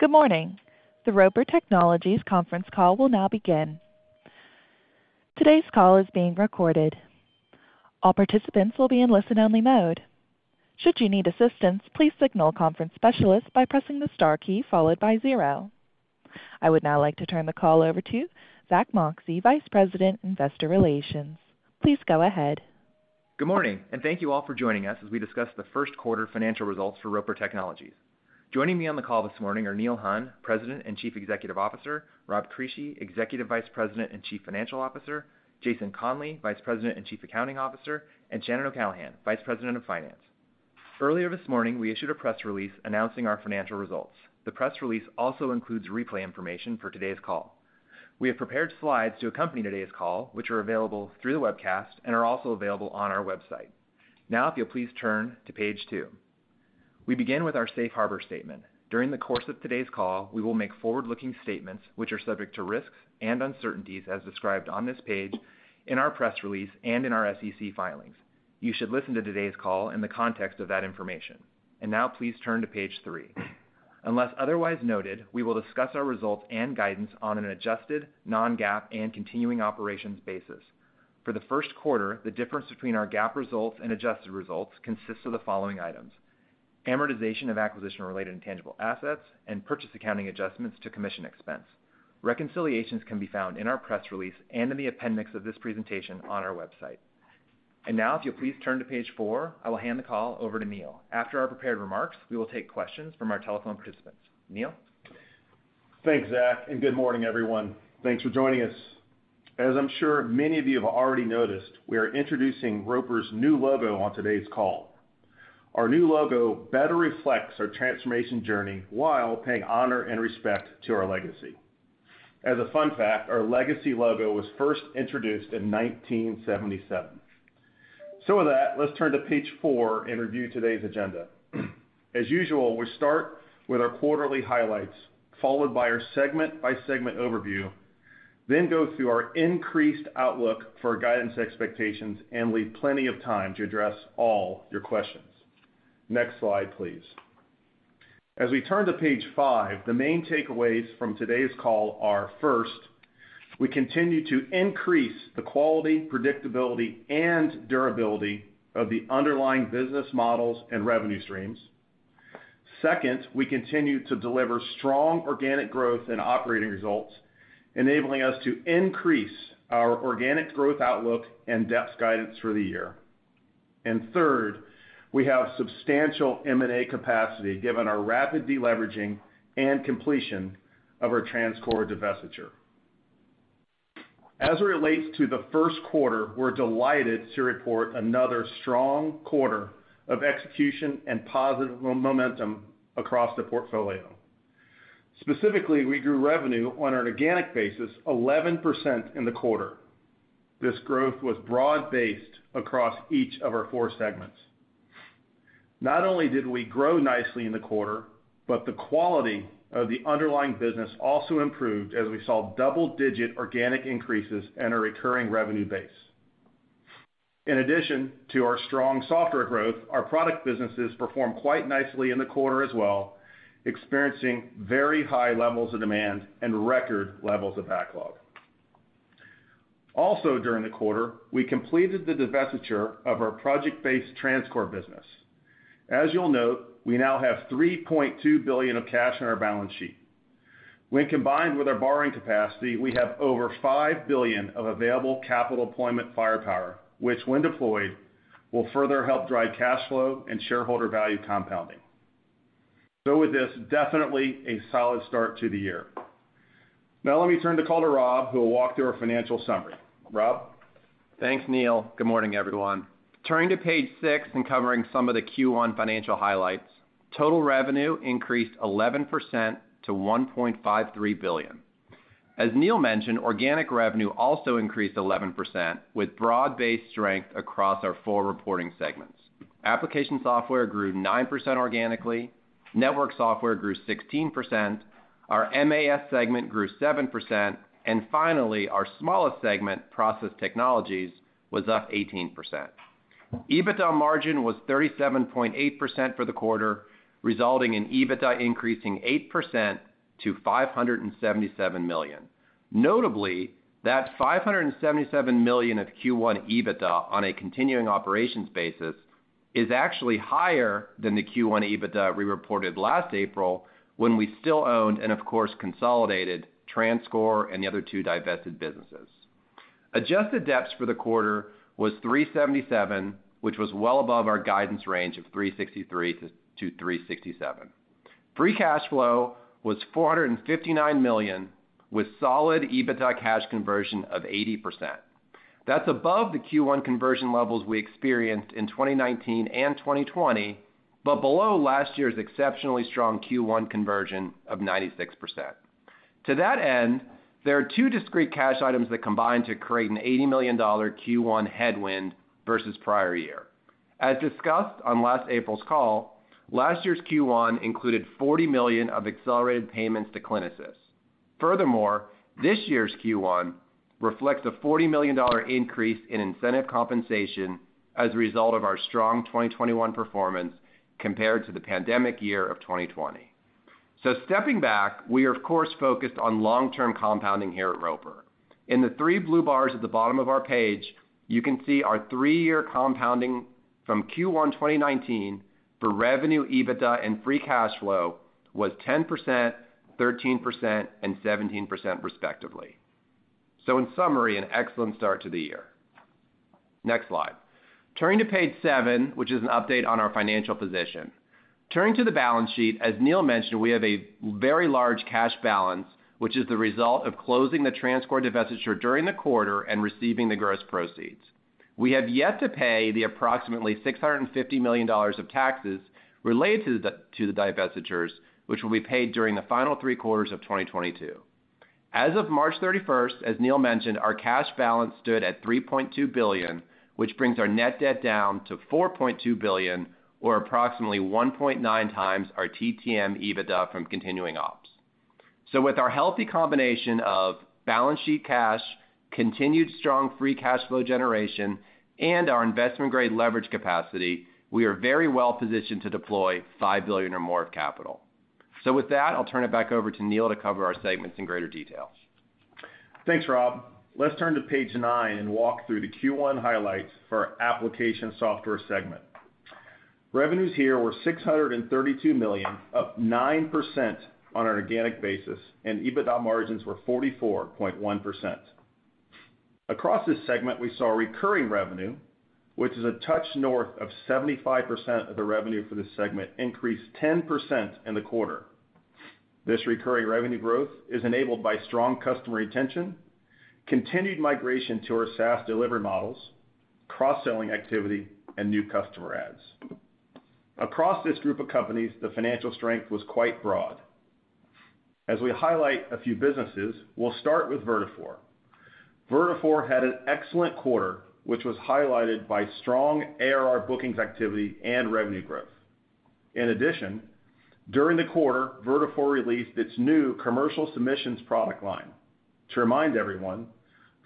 Good morning. The Roper Technologies conference call will now begin. Today's call is being recorded. All participants will be in listen-only mode. Should you need assistance, please signal a conference specialist by pressing the star key followed by zero. I would now like to turn the call over to Zack Moxcey, Vice President, Investor Relations. Please go ahead. Good morning, and thank you all for joining us as we discuss the first quarter financial results for Roper Technologies. Joining me on the call this morning are Neil Hunn, President and Chief Executive Officer, Rob Crisci, Executive Vice President and Chief Financial Officer, Jason Conley, Vice President and Chief Accounting Officer, and Shannon O'Callaghan, Vice President of Finance. Earlier this morning, we issued a press release announcing our financial results. The press release also includes replay information for today's call. We have prepared slides to accompany today's call, which are available through the webcast and are also available on our website. Now, if you'll please turn to page two. We begin with our safe harbor statement. During the course of today's call, we will make forward-looking statements which are subject to risks and uncertainties as described on this page, in our press release, and in our SEC filings. You should listen to today's call in the context of that information. Now please turn to page three. Unless otherwise noted, we will discuss our results and guidance on an adjusted non-GAAP and continuing operations basis. For the first quarter, the difference between our GAAP results and adjusted results consists of the following items, amortization of acquisition-related intangible assets and purchase accounting adjustments to commission expense. Reconciliations can be found in our press release and in the appendix of this presentation on our website. Now, if you'll please turn to page four, I will hand the call over to Neil. After our prepared remarks, we will take questions from our telephone participants. Neil? Thanks, Zach, and good morning, everyone. Thanks for joining us. As I'm sure many of you have already noticed, we are introducing Roper's new logo on today's call. Our new logo better reflects our transformation journey while paying honor and respect to our legacy. As a fun fact, our legacy logo was first introduced in 1977. With that, let's turn to page four and review today's agenda. As usual, we start with our quarterly highlights, followed by our segment-by-segment overview, then go through our increased outlook for guidance expectations, and leave plenty of time to address all your questions. Next slide, please. As we turn to page five, the main takeaways from today's call are, first, we continue to increase the quality, predictability, and durability of the underlying business models and revenue streams. Second, we continue to deliver strong organic growth and operating results, enabling us to increase our organic growth outlook and DEPS guidance for the year. Third, we have substantial M&A capacity given our rapid deleveraging and completion of our TransCore divestiture. As it relates to the first quarter, we're delighted to report another strong quarter of execution and positive momentum across the portfolio. Specifically, we grew revenue on an organic basis 11% in the quarter. This growth was broad-based across each of our four segments. Not only did we grow nicely in the quarter, but the quality of the underlying business also improved as we saw double-digit organic increases and a recurring revenue base. In addition to our strong software growth, our product businesses performed quite nicely in the quarter as well, experiencing very high levels of demand and record levels of backlog. Also during the quarter, we completed the divestiture of our project-based TransCore business. As you'll note, we now have $3.2 billion of cash on our balance sheet. When combined with our borrowing capacity, we have over $5 billion of available capital deployment firepower, which when deployed, will further help drive cash flow and shareholder value compounding. With this, definitely a solid start to the year. Now let me turn the call to Rob, who will walk through our financial summary. Rob? Thanks, Neil. Good morning, everyone. Turning to page six and covering some of the Q1 financial highlights. Total revenue increased 11% to $1.53 billion. As Neil mentioned, organic revenue also increased 11% with broad-based strength across our four reporting segments. Application software grew 9% organically. Network software grew 16%. Our MAS segment grew 7%. Finally, our smallest segment, process technologies, was up 18%. EBITDA margin was 37.8% for the quarter, resulting in EBITDA increasing 8% to $577 million. Notably, that $577 million of Q1 EBITDA on a continuing operations basis is actually higher than the Q1 EBITDA we reported last April when we still owned and of course consolidated TransCore and the other two divested businesses. Adjusted DEPS for the quarter was $3.77, which was well above our guidance range of $3.63-$3.67. Free cash flow was $459 million with solid EBITDA cash conversion of 80%. That's above the Q1 conversion levels we experienced in 2019 and 2020, but below last year's exceptionally strong Q1 conversion of 96%. To that end, there are two discrete cash items that combine to create an $80 million Q1 headwind versus prior year. As discussed on last April's call, last year's Q1 included $40 million of accelerated payments to CliniSys. Furthermore, this year's Q1 reflects a $40 million increase in incentive compensation as a result of our strong 2021 performance compared to the pandemic year of 2020. Stepping back, we are of course focused on long-term compounding here at Roper. In the three blue bars at the bottom of our page, you can see our three-year compounding from Q1 2019 for revenue, EBITDA, and free cash flow was 10%, 13%, and 17% respectively. In summary, an excellent start to the year. Next slide. Turning to page seven, which is an update on our financial position. Turning to the balance sheet, as Neil mentioned, we have a very large cash balance, which is the result of closing the TransCore divestiture during the quarter and receiving the gross proceeds. We have yet to pay the approximately $650 million of taxes related to the divestitures, which will be paid during the final three quarters of 2022. As of March 31, as Neil mentioned, our cash balance stood at $3.2 billion, which brings our net debt down to $4.2 billion, or approximately 1.9 times our TTM EBITDA from continuing ops. With our healthy combination of balance sheet cash, continued strong free cash flow generation, and our investment-grade leverage capacity, we are very well positioned to deploy $5 billion or more of capital. With that, I'll turn it back over to Neil to cover our segments in greater detail. Thanks, Rob. Let's turn to page nine and walk through the Q1 highlights for our Application Software segment. Revenues here were $632 million, up 9% on an organic basis, and EBITDA margins were 44.1%. Across this segment, we saw recurring revenue, which is a touch north of 75% of the revenue for the segment, increased 10% in the quarter. This recurring revenue growth is enabled by strong customer retention, continued migration to our SaaS delivery models, cross-selling activity, and new customer adds. Across this group of companies, the financial strength was quite broad. As we highlight a few businesses, we'll start with Vertafore. Vertafore had an excellent quarter, which was highlighted by strong ARR bookings activity and revenue growth. In addition, during the quarter, Vertafore released its new commercial submissions product line. To remind everyone,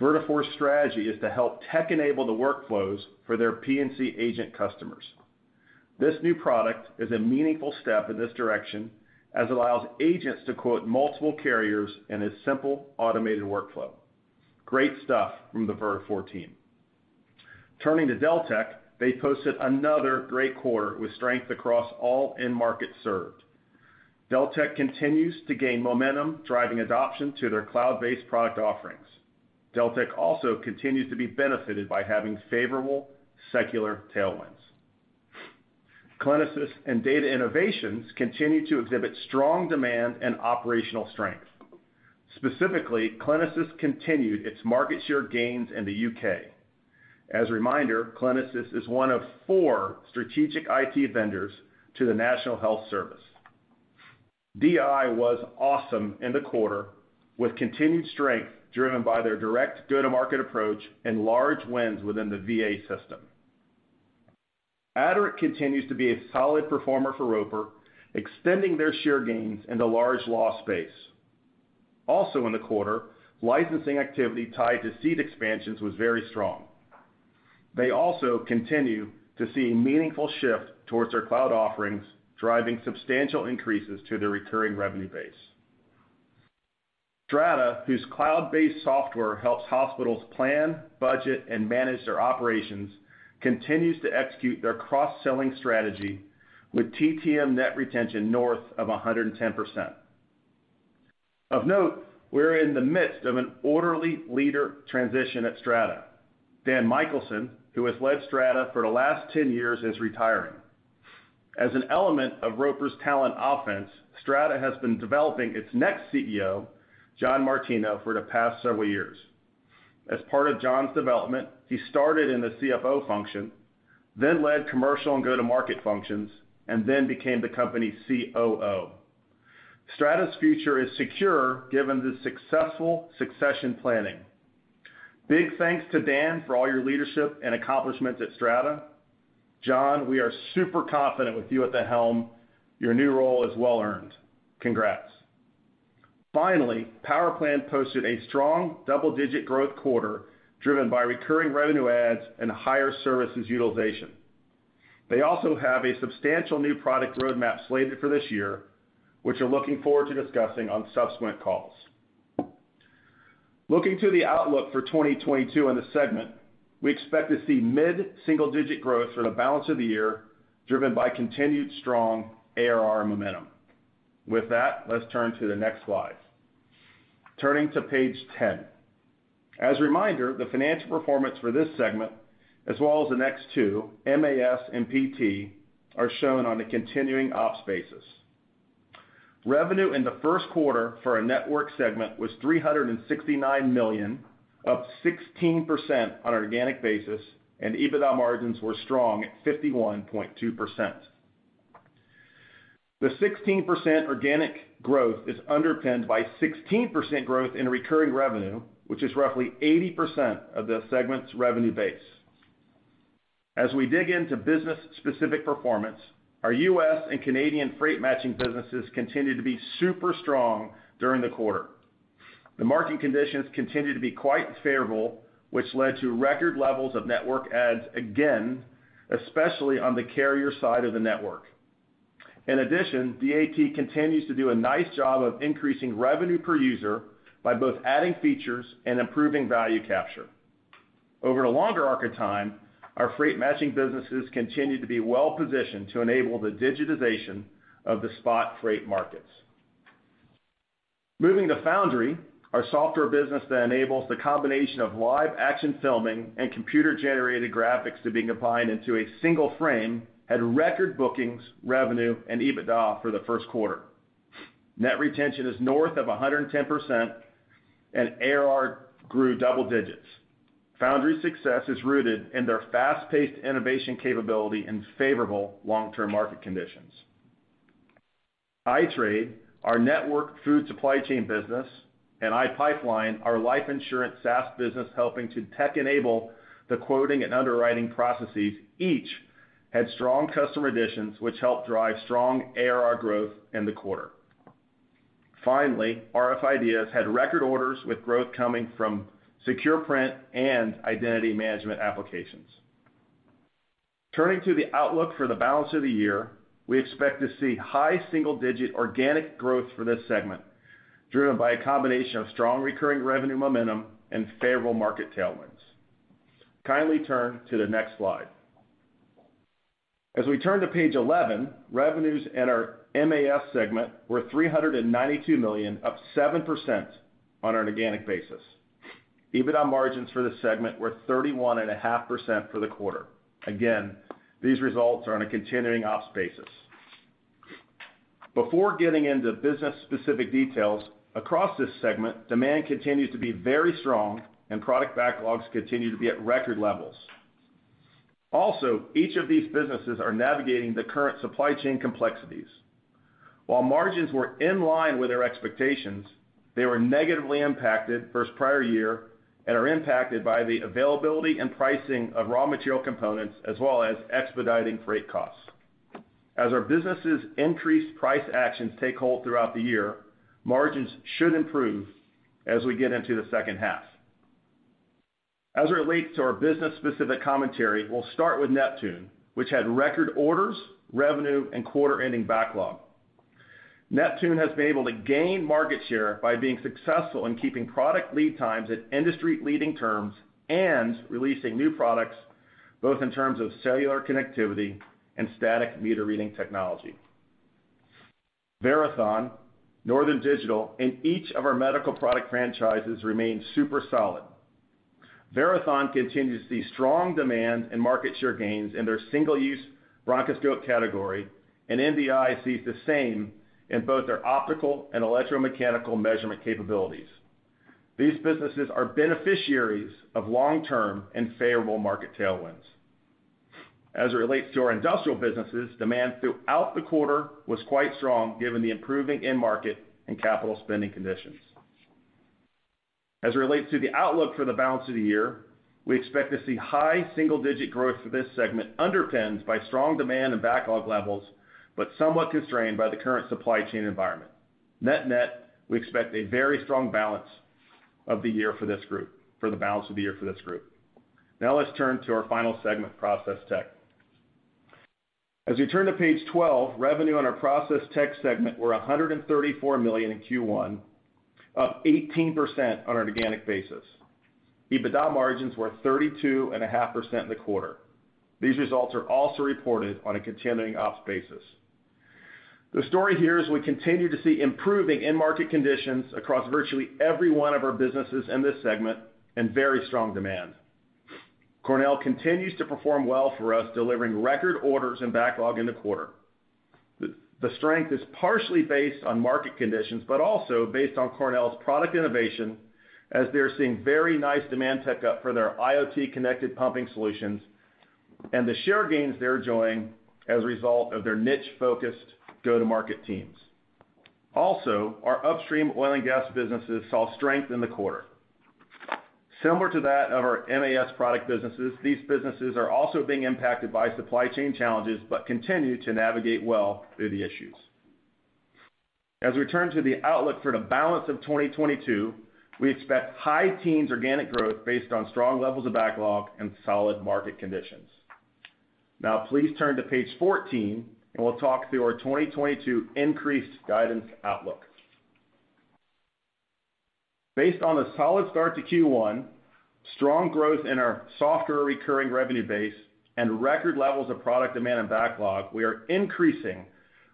Vertafore's strategy is to help tech enable the workflows for their P&C agent customers. This new product is a meaningful step in this direction, as it allows agents to quote multiple carriers in a simple, automated workflow. Great stuff from the Vertafore team. Turning to Deltek, they posted another great quarter with strength across all end markets served. Deltek continues to gain momentum, driving adoption to their cloud-based product offerings. Deltek also continues to be benefited by having favorable secular tailwinds. CliniSys and Data Innovations continue to exhibit strong demand and operational strength. Specifically, CliniSys continued its market share gains in the U.K. As a reminder, CliniSys is one of four strategic IT vendors to the National Health Service. DI was awesome in the quarter with continued strength driven by their direct go-to-market approach and large wins within the VA system. Aderant continues to be a solid performer for Roper, extending their share gains in the large law space. Also in the quarter, licensing activity tied to suite expansions was very strong. They also continue to see a meaningful shift towards their cloud offerings, driving substantial increases to their recurring revenue base. Strata, whose cloud-based software helps hospitals plan, budget, and manage their operations, continues to execute their cross-selling strategy with TTM net retention north of 110%. Of note, we're in the midst of an orderly leader transition at Strata. Dan Michelson, who has led Strata for the last 10 years, is retiring. As an element of Roper's talent offense, Strata has been developing its next CEO, John Martino, for the past several years. As part of John's development, he started in the CFO function, then led commercial and go-to-market functions, and then became the company's COO. Strata's future is secure given the successful succession planning. Big thanks to Dan for all your leadership and accomplishments at Strata. John, we are super confident with you at the helm. Your new role is well earned. Congrats. Finally, PowerPlan posted a strong double-digit growth quarter driven by recurring revenue adds and higher services utilization. They also have a substantial new product roadmap slated for this year, which we're looking forward to discussing on subsequent calls. Looking to the outlook for 2022 in the segment, we expect to see mid-single-digit growth for the balance of the year, driven by continued strong ARR momentum. With that, let's turn to the next slide. Turning to page 10. As a reminder, the financial performance for this segment, as well as the next two, MAS and PT, are shown on a continuing ops basis. Revenue in the first quarter for our network segment was $369 million, up 16% on an organic basis, and EBITDA margins were strong at 51.2%. The 16% organic growth is underpinned by 16% growth in recurring revenue, which is roughly 80% of the segment's revenue base. As we dig into business specific performance, our U.S. and Canadian freight matching businesses continued to be super strong during the quarter. The market conditions continued to be quite favorable, which led to record levels of network ads again, especially on the carrier side of the network. In addition, DAT continues to do a nice job of increasing revenue per user by both adding features and improving value capture. Over the longer arc of time, our freight matching businesses continue to be well positioned to enable the digitization of the spot freight markets. Moving to Foundry, our software business that enables the combination of live action filming and computer-generated graphics to be combined into a single frame, had record bookings, revenue and EBITDA for the first quarter. Net retention is north of 110%, and ARR grew double digits. Foundry's success is rooted in their fast-paced innovation capability and favorable long-term market conditions. iTradeNetwork, our network food supply chain business, and iPipeline, our life insurance SaaS business, helping to tech enable the quoting and underwriting processes, each had strong customer additions which helped drive strong ARR growth in the quarter. Finally, rf IDEAS had record orders with growth coming from secure print and identity management applications. Turning to the outlook for the balance of the year, we expect to see high single-digit organic growth for this segment, driven by a combination of strong recurring revenue momentum and favorable market tailwinds. Kindly turn to the next slide. As we turn to page 11, revenues in our MAS segment were $392 million, up 7% on an organic basis. EBITDA margins for the segment were 31.5% for the quarter. Again, these results are on a continuing ops basis. Before getting into business specific details, across this segment, demand continues to be very strong and product backlogs continue to be at record levels. Also, each of these businesses are navigating the current supply chain complexities. While margins were in line with our expectations, they were negatively impacted versus prior year and are impacted by the availability and pricing of raw material components as well as expediting freight costs. As our businesses' increased price actions take hold throughout the year, margins should improve as we get into the second half. As it relates to our business specific commentary, we'll start with Neptune, which had record orders, revenue, and quarter ending backlog. Neptune has been able to gain market share by being successful in keeping product lead times at industry leading terms and releasing new products both in terms of cellular connectivity and static meter reading technology. Verathon, Northern Digital, and each of our medical product franchises remain super solid. Verathon continues to see strong demand and market share gains in their single-use bronchoscope category, and NDI sees the same in both their optical and electromagnetic measurement capabilities. These businesses are beneficiaries of long-term and favorable market tailwinds. As it relates to our industrial businesses, demand throughout the quarter was quite strong given the improving end market and capital spending conditions. As it relates to the outlook for the balance of the year, we expect to see high single-digit growth for this segment, underpinned by strong demand and backlog levels, but somewhat constrained by the current supply chain environment. Net-net, we expect a very strong balance of the year for this group. Now let's turn to our final segment, Process Tech. As we turn to page 12, revenue for our Process Tech segment was $134 million in Q1, up 18% on an organic basis. EBITDA margins were 32.5% in the quarter. These results are also reported on a continuing ops basis. The story here is we continue to see improving end market conditions across virtually every one of our businesses in this segment and very strong demand. Cornell continues to perform well for us, delivering record orders and backlog in the quarter. The strength is partially based on market conditions, but also based on Cornell's product innovation as they're seeing very nice demand tick up for their IoT connected pumping solutions and the share gains they're enjoying as a result of their niche-focused go-to-market teams. Also, our upstream oil and gas businesses saw strength in the quarter. Similar to that of our MAS product businesses, these businesses are also being impacted by supply chain challenges but continue to navigate well through the issues. As we turn to the outlook for the balance of 2022, we expect high-teens organic growth based on strong levels of backlog and solid market conditions. Now please turn to page 14, and we'll talk through our 2022 increased guidance outlook. Based on the solid start to Q1, strong growth in our software recurring revenue base, and record levels of product demand and backlog, we are increasing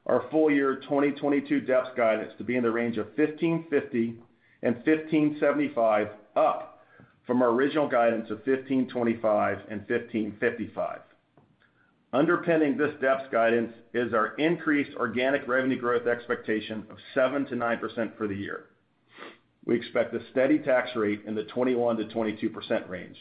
our full year 2022 DEPS guidance to be in the range of $15.50-$15.75, up from our original guidance of $15.25-$15.55. Underpinning this DEPS guidance is our increased organic revenue growth expectation of 7%-9% for the year. We expect a steady tax rate in the 21%-22% range.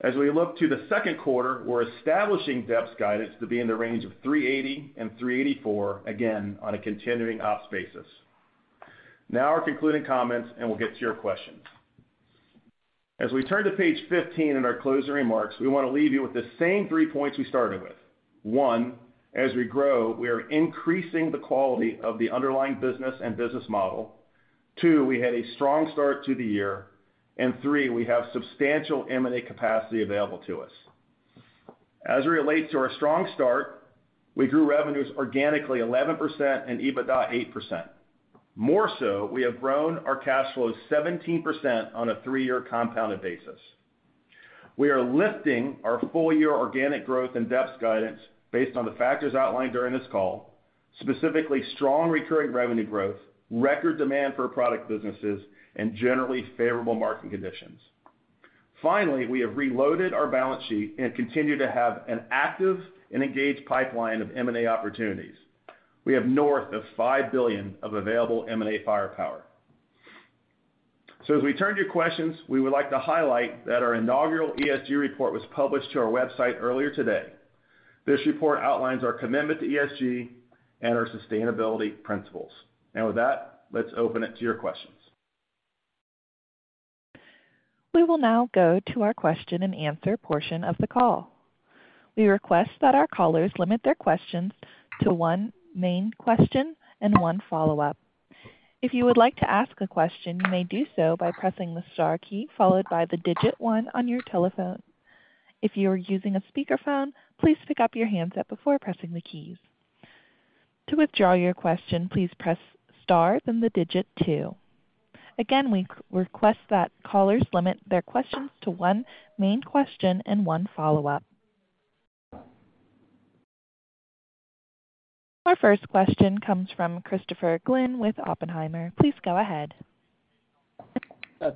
As we look to the second quarter, we're establishing DEPS guidance to be in the range of $3.80-$3.84, again, on a continuing ops basis. Now our concluding comments and we'll get to your questions. As we turn to page 15 in our closing remarks, we wanna leave you with the same three points we started with. One, as we grow, we are increasing the quality of the underlying business and business model. Two, we had a strong start to the year and three, we have substantial M&A capacity available to us. As it relates to our strong start, we grew revenues organically 11% and EBITDA 8%. More so, we have grown our cash flow 17% on a three-year compounded basis. We are lifting our full year organic growth and EBITDA guidance based on the factors outlined during this call, specifically strong recurring revenue growth, record demand for product businesses, and generally favorable market conditions. Finally, we have reloaded our balance sheet and continue to have an active and engaged pipeline of M&A opportunities. We have north of $5 billion of available M&A firepower. As we turn to your questions, we would like to highlight that our inaugural ESG report was published to our website earlier today. This report outlines our commitment to ESG and our sustainability principles. With that, let's open it to your questions. We will now go to our question-and-answer portion of the call. We request that our callers limit their questions to one main question and one follow-up. If you would like to ask a question, you may do so by pressing the star key followed by the digit one on your telephone. If you are using a speakerphone, please pick up your handset before pressing the keys. To withdraw your question, please press star, then the digit two. Again, we request that callers limit their questions to one main question and one follow-up. Our first question comes from Christopher Glynn with Oppenheimer. Please go ahead.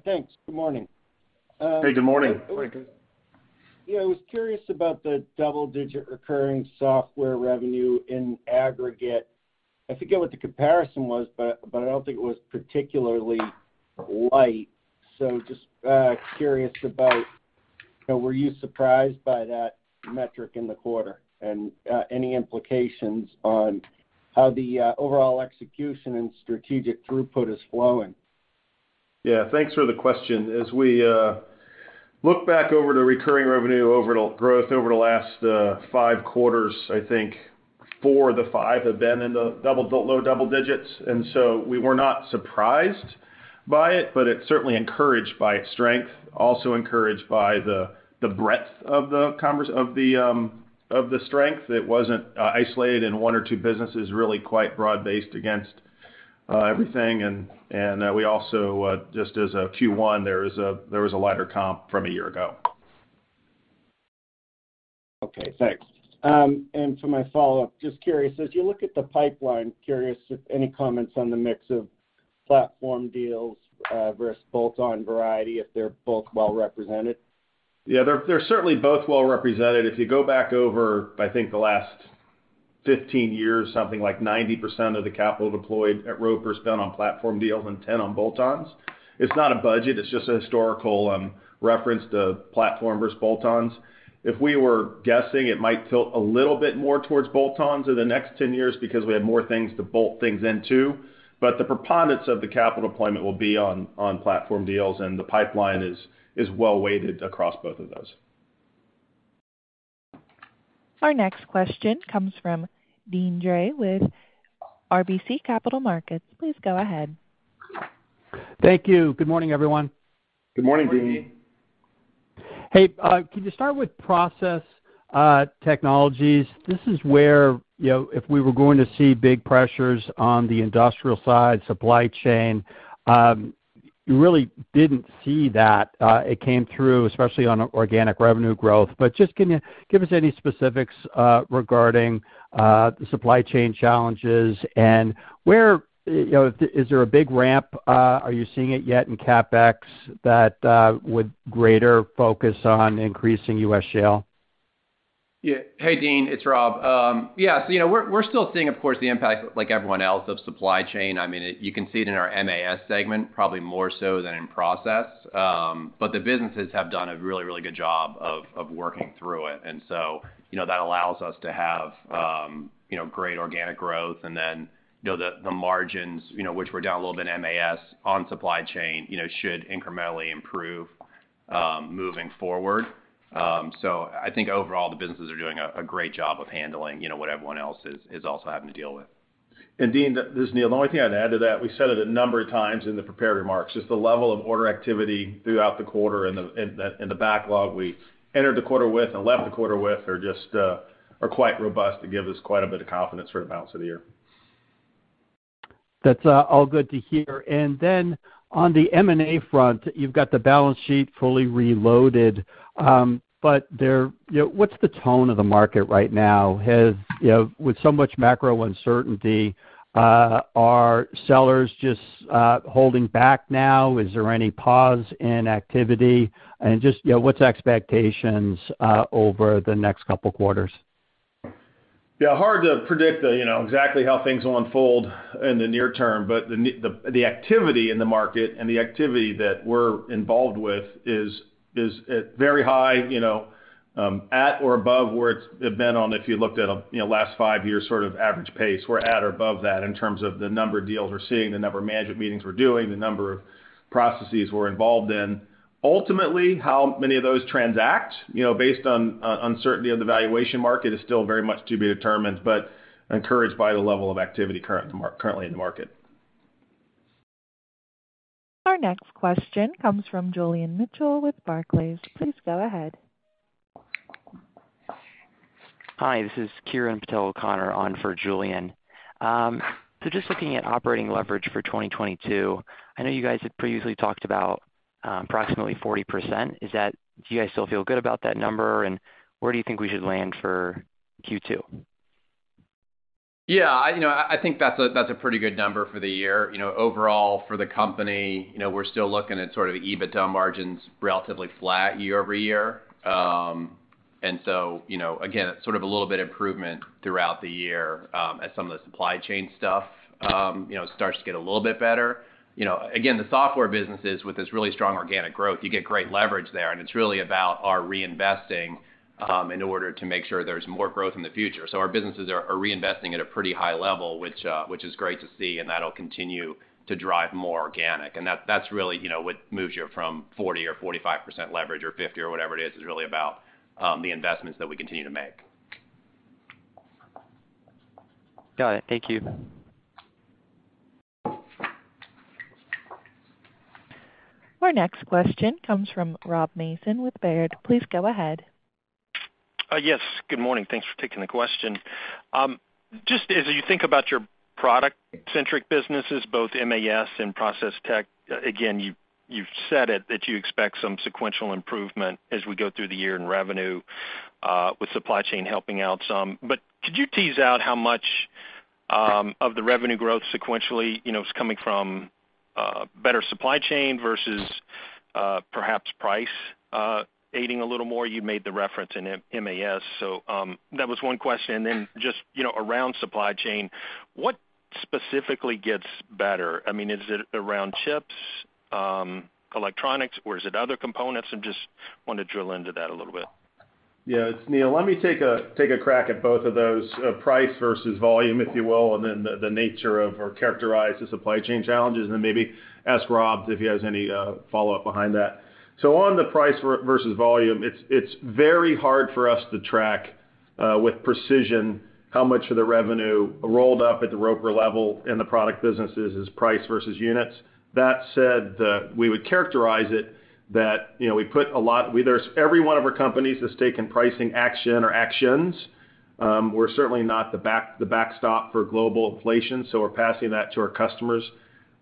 Thanks. Good morning. Hey, good morning. Yeah, I was curious about the double-digit recurring software revenue in aggregate. I forget what the comparison was, but I don't think it was particularly light. Just curious about, you know, were you surprised by that metric in the quarter and any implications on how the overall execution and strategic throughput is flowing? Thanks for the question. As we look back over the recurring revenue overall growth over the last five quarters, I think four of the five have been in the low double digits, and so we were not surprised by it, but we're certainly encouraged by its strength, also encouraged by the breadth of the strength. It wasn't isolated in one or two businesses, really quite broad-based against everything. We also just as of Q1, there was a lighter comp from a year ago. Okay, thanks. For my follow-up, just curious, as you look at the pipeline, curious if any comments on the mix of platform deals, versus bolt-on variety, if they're both well-represented. Yeah, they're certainly both well-represented. If you go back over, I think, the last 15 years, something like 90% of the capital deployed at Roper is spent on platform deals and 10% on bolt-ons. It's not a budget, it's just a historical reference to platform versus bolt-ons. If we were guessing, it might tilt a little bit more towards bolt-ons in the next 10 years because we have more things to bolt things into. But the preponderance of the capital deployment will be on platform deals, and the pipeline is well-weighted across both of those. Our next question comes from Deane Dray with RBC Capital Markets. Please go ahead. Thank you. Good morning, everyone. Good morning, Deane. Hey, can you start with process technologies? This is where, you know, if we were going to see big pressures on the industrial side, supply chain, you really didn't see that. It came through, especially on organic revenue growth. But just, can you give us any specifics regarding the supply chain challenges and where, you know, is there a big ramp? Are you seeing it yet in CapEx that would be a greater focus on increasing U.S. shale? Yeah. Hey, Deane, it's Rob. You know, we're still seeing, of course, the impact like everyone else of supply chain. I mean, you can see it in our MAS segment probably more so than in process. But the businesses have done a really, really good job of working through it. You know, that allows us to have you know great organic growth and then you know the margins you know which were down a little bit in MAS on supply chain should incrementally improve moving forward. So, I think overall, the businesses are doing a great job of handling you know what everyone else is also having to deal with. Deane, this is Neil. The only thing I'd add to that is we said it a number of times in the prepared remarks. The level of order activity throughout the quarter and the backlog we entered the quarter with and left the quarter with are quite robust to give us quite a bit of confidence for the balance of the year. That's all good to hear. Then on the M&A front, you've got the balance sheet fully reloaded. But there, you know, what's the tone of the market right now? Has, you know, with so much macro uncertainty, are sellers just holding back now? Is there any pause in activity? Just, you know, what's the expectations over the next couple quarters? Yeah, hard to predict, you know, exactly how things will unfold in the near term, but the activity in the market and the activity that we're involved with is at very high, you know, at or above where it's been or if you looked at a, you know, last five-year sort of average pace. We're at or above that in terms of the number of deals we're seeing, the number of management meetings we're doing, the number of processes we're involved in. Ultimately, how many of those transact, you know, based on uncertainty of the valuation market is still very much to be determined, but we are encouraged by the level of activity currently in the market. Our next question comes from Julian Mitchell with Barclays. Please go ahead. Hi, this is Kiran Patel-O'Connor on for Julian. Just looking at operating leverage for 2022, I know you guys have previously talked about approximately 40%. Do you guys still feel good about that number? Where do you think we should land for Q2? Yeah. You know, I think that's a pretty good number for the year. You know, overall for the company, you know, we're still looking at sort of EBITDA margins relatively flat year-over-year. And so, you know, again, sort of a little bit improvement throughout the year, as some of the supply chain stuff, you know, starts to get a little bit better. You know, again, the software businesses with this really strong organic growth, you get great leverage there, and it's really about our reinvesting, in order to make sure there's more growth in the future. Our businesses are reinvesting at a pretty high level, which is great to see, and that'll continue to drive more organic. That's really, you know, what moves you from 40% or 45% leverage or 50% or whatever it is really about the investments that we continue to make. Got it. Thank you. Our next question comes from Rob Mason with Baird. Please go ahead. Yes, good morning. Thanks for taking the question. Just as you think about your product-centric businesses, both MAS and Process Tech, again, you've said it, that you expect some sequential improvement as we go through the year in revenue, with supply chain helping out some. Could you tease out how much of the revenue growth sequentially, you know, is coming from better supply chain versus perhaps price aiding a little more? You made the reference in MAS. So that was one question. Just, you know, around supply chain, what specifically gets better? I mean, is it around chips, electronics, or is it other components? I just wanna drill into that a little bit? Yeah, it's Neil. Let me take a crack at both of those, price versus volume, if you will, and then the nature of or characterize the supply chain challenges and then maybe ask Rob if he has any follow-up behind that. On the price versus volume, it's very hard for us to track with precision how much of the revenue rolled up at the Roper level in the product businesses is price versus units. That said, we would characterize it that, you know, every one of our companies has taken pricing action or actions. We're certainly not the backstop for global inflation, so we're passing that to our customers.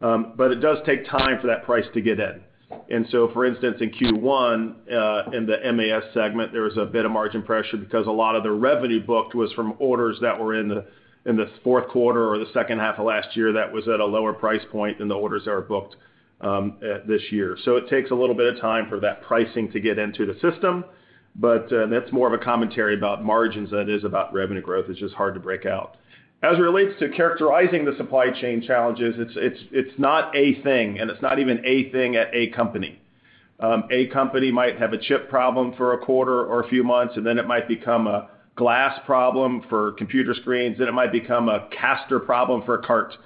But it does take time for that price to get in. For instance, in Q1, in the MAS segment, there was a bit of margin pressure because a lot of the revenue booked was from orders that were in the, in the fourth quarter or the second half of last year that was at a lower price point than the orders that are booked this year. It takes a little bit of time for that pricing to get into the system, but that's more of a commentary about margins than it is about revenue growth. It's just hard to break out. As it relates to characterizing the supply chain challenges, it's not a thing, and it's not even a thing at a company. A company might have a chip problem for a quarter or a few months, and then it might become a glass problem for computer screens, then it might become a caster problem for a cart.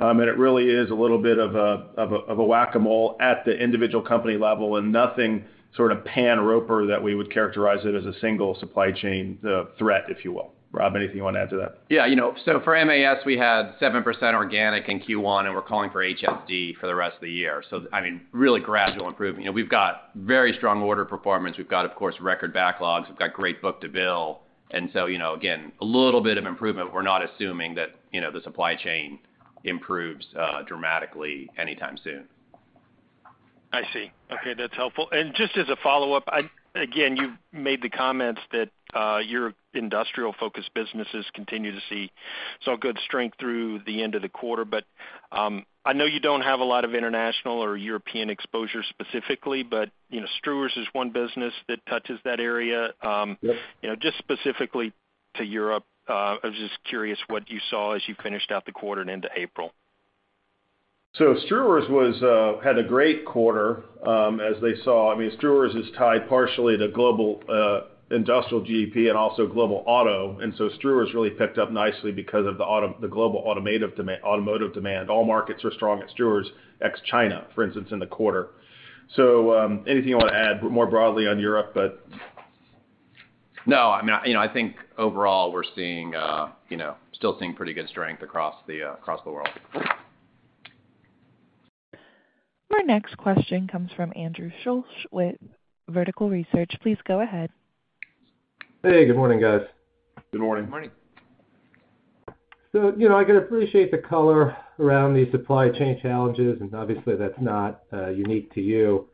It really is a little bit of a whack-a-mole at the individual company level and nothing sort of pan-Roper that we would characterize it as a single supply chain threat, if you will. Rob, anything you wanna add to that? Yeah. You know, so for MAS, we had 7% organic in Q1, and we're calling for HSD for the rest of the year. I mean, really gradual improvement. You know, we've got very strong order performance. We've got, of course, record backlogs. We've got great book-to-bill. You know, again, a little bit of improvement. We're not assuming that, you know, the supply chain improves dramatically anytime soon. I see. Okay, that's helpful. Just as a follow-up, again, you've made the comments that your industrial-focused businesses continue to see some good strength through the end of the quarter. I know you don't have a lot of international or European exposure specifically, but you know, Struers is one business that touches that area. Yes. You know, just specifically to Europe, I was just curious what you saw as you finished out the quarter and into April? Struers had a great quarter, as they saw. I mean, Struers is tied partially to global industrial GDP and also global auto. Struers really picked up nicely because of the global automotive demand. All markets are strong at Struers, ex-China, for instance, in the quarter. Anything you wanna add more broadly on Europe. No, I mean, you know, I think overall, we're seeing, you know, still seeing pretty good strength across the world. Our next question comes from Andrew Shlosh with Vertical Research. Please go ahead. Hey, good morning, guys. Good morning. Morning. You know, I can appreciate the color around the supply chain challenges, and obviously, that's not unique to you.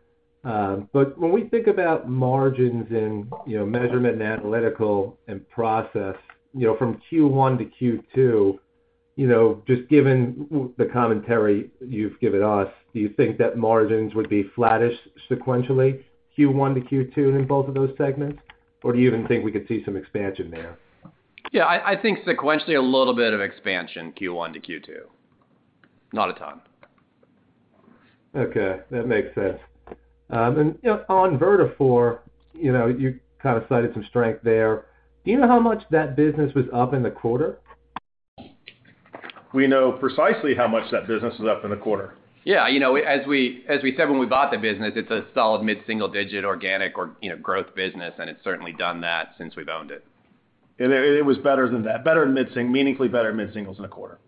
When we think about margins and, you know, measurement and analytical and process, you know, from Q1 to Q2 You know, just given the commentary you've given us, do you think that margins would be flattish sequentially Q1 to Q2 in both of those segments? Or do you even think we could see some expansion there? Yeah, I think sequentially a little bit of expansion Q1 to Q2. Not a tonne. Okay, that makes sense. And on Vertafore, you know, you kind of cited some strength there. Do you know how much that business was up in the quarter? We know precisely how much that business was up in the quarter. Yeah, you know, as we said when we bought the business, it's a solid mid-single digit organic or, you know, growth business, and it's certainly done that since we've owned it. It was better than that. Meaningfully better than mid-singles in the quarter.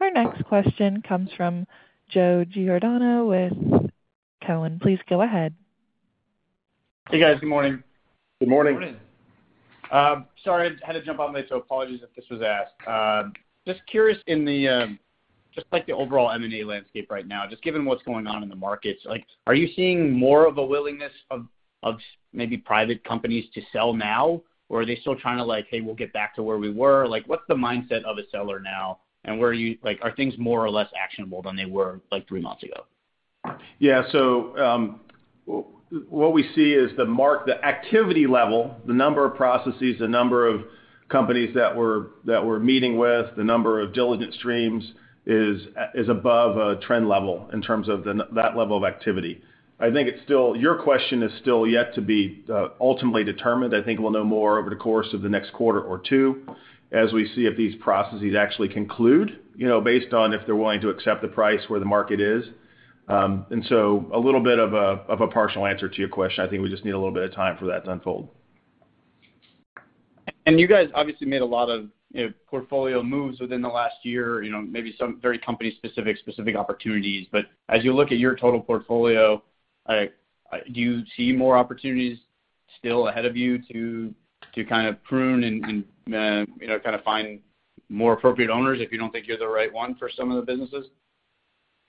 Our next question comes from Joe Giordano with Cowen. Please go ahead. Hey, guys. Good morning. Good morning. Good morning. Sorry, I had to jump on late, so apologies if this was asked. Just curious in the, just, like, the overall M&A landscape right now, just given what's going on in the markets, like, are you seeing more of a willingness of maybe private companies to sell now? Or are they still trying to like, "Hey, we'll get back to where we were." Like, what's the mindset of a seller now, and where are you, like, are things more or less actionable than they were like three months ago? What we see is the market activity level, the number of processes, the number of companies that we're meeting with, the number of diligence streams is above a trend level in terms of that level of activity. I think your question is still yet to be ultimately determined. I think we'll know more over the course of the next quarter or two as we see if these processes actually conclude, you know, based on if they're willing to accept the price where the market is. A little bit of a partial answer to your question. I think we just need a little bit of time for that to unfold. You guys obviously made a lot of, you know, portfolio moves within the last year, you know, maybe some very company specific opportunities. But as you look at your total portfolio, like, do you see more opportunities still ahead of you to kind of prune and, you know, kind of find more appropriate owners if you don't think you're the right one for some of the businesses?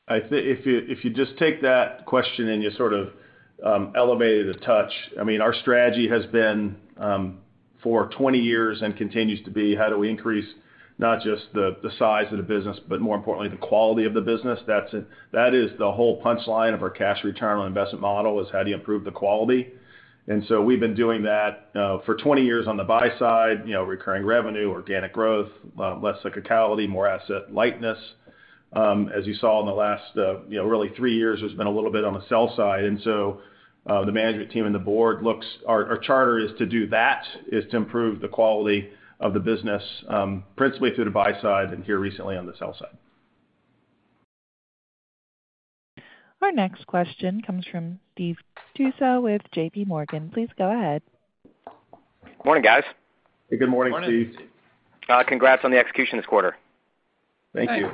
I think if you just take that question and you sort of elevate it a touch, I mean, our strategy has been for 20 years and continues to be how do we increase not just the size of the business, but more importantly, the quality of the business. That's it. That is the whole punchline of our cash return on investment model, is how do you improve the quality. We've been doing that for 20 years on the buy side, you know, recurring revenue, organic growth, less cyclicality, more asset lightness. As you saw in the last you know really three years, there's been a little bit on the sell side. The management team and the board, our charter is to do that, is to improve the quality of the business, principally through the buy side and here recently on the sell side. Our next question comes from Steve Tusa with JPMorgan. Please go ahead. Morning, guys. Hey, good morning, Steve. Morning. Congrats on the execution this quarter. Thank you.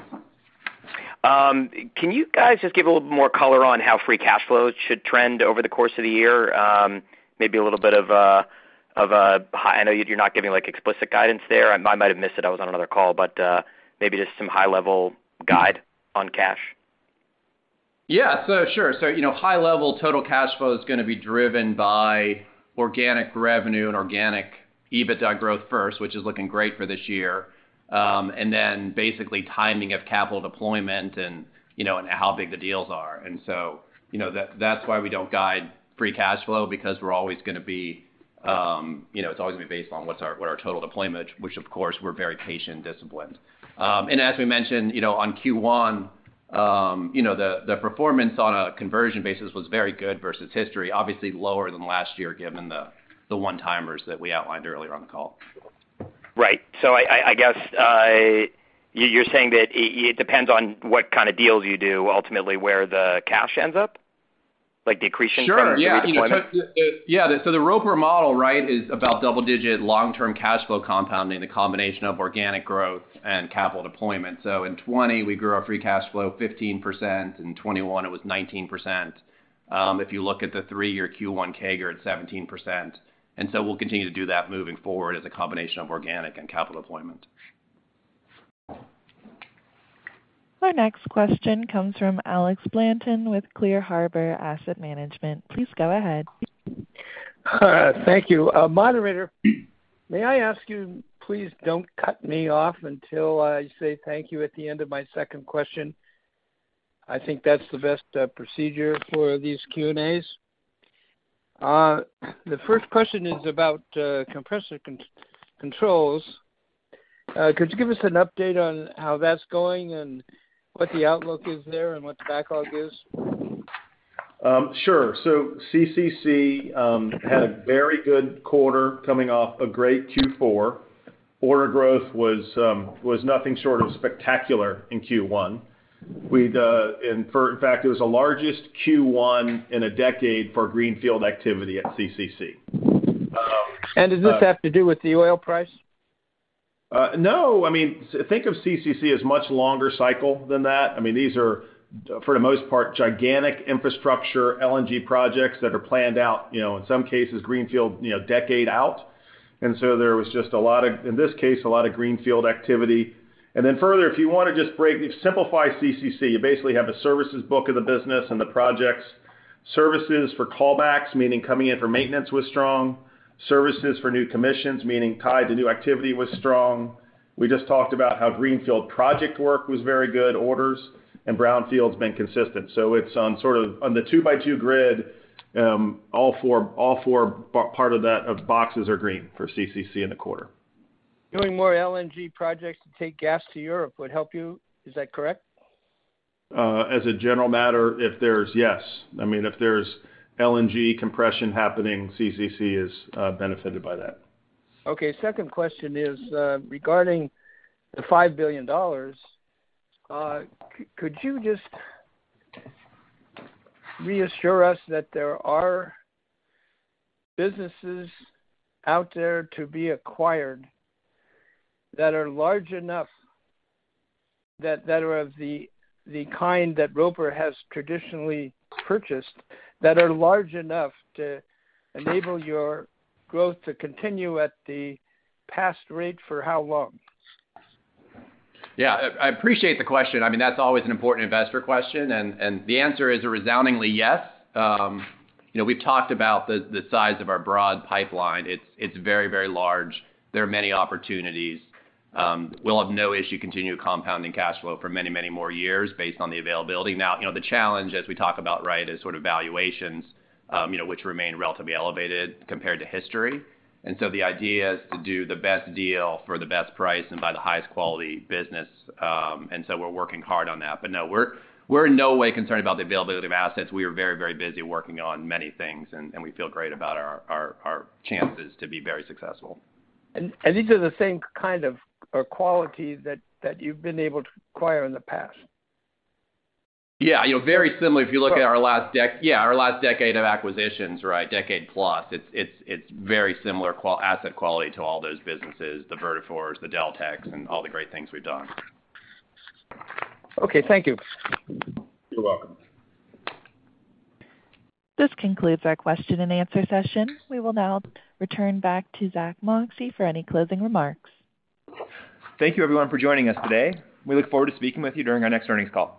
Thanks. Can you guys just give a little bit more color on how free cash flows should trend over the course of the year? Maybe a little bit of a high-level guide on cash. I know you're not giving, like, explicit guidance there. I might have missed it, I was on another call. Maybe just some high-level guide on cash. High level total cash flow is gonna be driven by organic revenue and organic EBITDA growth first, which is looking great for this year. Then basically timing of capital deployment and, you know, and how big the deals are. You know, that's why we don't guide free cash flow because we're always gonna be, you know, it's always gonna be based on what our total deployment, which of course we're very patient and disciplined. As we mentioned, you know, on Q1, you know, the performance on a conversion basis was very good versus history. Obviously lower than last year given the one-timers that we outlined earlier on the call. Right. I guess you're saying that it depends on what kind of deals you do ultimately where the cash ends up? Like, decreasing better deployment? I mean, the Roper model, right, is about double-digit long-term cash flow compounding, the combination of organic growth and capital deployment. In 2020, we grew our free cash flow 15%, in 2021 it was 19%. If you look at the three-year Q1 CAGR at 17%. We'll continue to do that moving forward as a combination of organic and capital deployment. Our next question comes from Alex Blanton with Clear Harbor Asset Management. Please go ahead. Thank you. Moderator, may I ask you please don't cut me off until I say thank you at the end of my second question. I think that's the best procedure for these Q&A's. The first question is about Compressor Controls. Could you give us an update on how that's going and what the outlook is there and what the backlog is? Sure. CCC had a very good quarter coming off a great Q4. Order growth was nothing short of spectacular in Q1. In fact, it was the largest Q1 in a decade for greenfield activity at CCC. Does this have to do with the oil price? No. I mean, think of CCC as much longer cycle than that. I mean, these are, for the most part, gigantic infrastructure LNG projects that are planned out, you know, in some cases, greenfield, you know, decade out. There was just a lot of, in this case, a lot of greenfield activity. Further, if you wanna just simplify CCC, you basically have a services book of the business and the projects services for callbacks, meaning coming in for maintenance was strong. Services for new commissions, meaning tied to new activity was strong. We just talked about how greenfield project work was very good, orders, and brownfield's been consistent. It's on the two-by-two grid, all four parts of those boxes are green for CCC in the quarter. Doing more LNG projects to take gas to Europe would help you, is that correct? As a general matter, I mean, if there's LNG compression happening, CCC is benefited by that. Okay. Second question is, regarding the $5 billion, could you just reassure us that there are businesses out there to be acquired that are large enough, that are of the kind that Roper has traditionally purchased, that are large enough to enable your growth to continue at the past rate for how long? Yeah. I appreciate the question. I mean, that's always an important investor question. The answer is a resoundingly yes. You know, we've talked about the size of our broad pipeline. It's very, very large. There are many opportunities. We'll have no issue continuing compounding cash flow for many, many more years based on the availability. Now, you know, the challenge, as we talk about, right, is sort of valuations, you know, which remain relatively elevated compared to history. The idea is to do the best deal for the best price and buy the highest quality business. We're working hard on that. No, we're in no way concerned about the availability of assets. We are very, very busy working on many things, and we feel great about our chances to be very successful. And these are the same kind of or quality that you've been able to acquire in the past? Yeah. You know, very similar if you look at our last decade of acquisitions, right, decade plus, it's very similar asset quality to all those businesses, the Vertafore's, the Deltek's, and all the great things we've done. Okay, thank you. You're welcome. This concludes our question and answer session. We will now return back to Zack Moxcey for any closing remarks. Thank you everyone for joining us today. We look forward to speaking with you during our next earnings call.